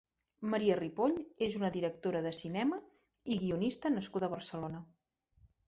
Maria Ripoll és una directora de cinema i guionista nascuda a Barcelona.